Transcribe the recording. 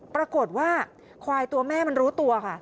ปรากฏว่าควายตัวแม่มันรู้ตัวค่ะ